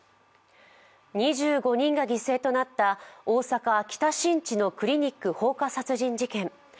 ２５人が犠牲となった大阪・北新地のクリニック放火殺人事件。